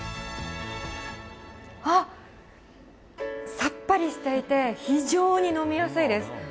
あっ、さっぱりしていて、非常に飲みやすいです。